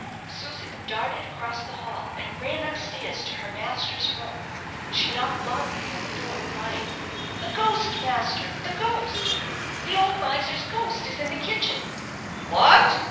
Susan darted across the hall, and ran upstairs to her master's room. She knocked loudly on the door, crying, "The ghost, master! the ghost! the old miser's ghost is in the kitchen!" "What?"